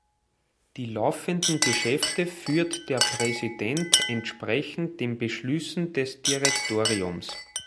Die laufenden Geschäfte führt der Präsident entsprechend den Beschlüssen des Direktoriums.